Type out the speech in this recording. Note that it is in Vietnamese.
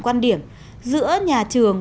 quan điểm giữa nhà trường